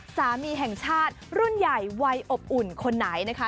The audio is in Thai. สามีแห่งชาติรุ่นใหญ่วัยอบอุ่นคนไหนนะคะ